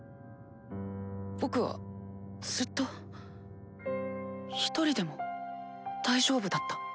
僕はずっとひとりでも大丈夫だった。